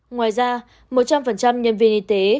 ngoài ra một trăm linh nhân viên y tế